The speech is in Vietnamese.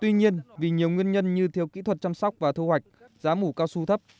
tuy nhiên vì nhiều nguyên nhân như thiếu kỹ thuật chăm sóc và thu hoạch giá mủ cao su thấp